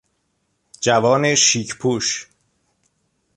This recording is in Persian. جوان شیک پوش